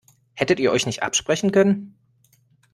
Hättet ihr euch nicht absprechen können?